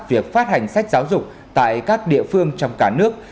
việc phát hành sách giáo dục tại các địa phương trong cả nước